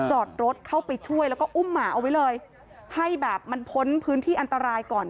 จอดรถเข้าไปช่วยแล้วก็อุ้มหมาเอาไว้เลยให้แบบมันพ้นพื้นที่อันตรายก่อน